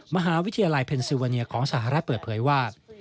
มหาวิทยาลัยเพนซิวาเนียของสหรัฐเปิดเผยว่า